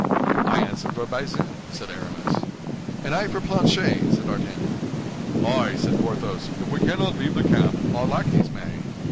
"I answer for Bazin," said Aramis. "And I for Planchet," said D'Artagnan. "Ay," said Porthos, "if we cannot leave the camp, our lackeys may."